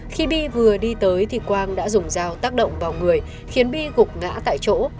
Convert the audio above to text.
khi bi vừa đi tới thì quang đã dùng dao tác động vào người khiến bi gục ngã tại chỗ